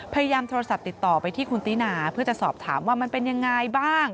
พยายามโทรศัพท์ติดต่อไปที่คุณตินาเพื่อจะสอบถามว่ามันเป็นยังไงบ้าง